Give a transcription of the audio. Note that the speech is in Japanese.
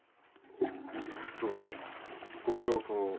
どうぞご焼香を。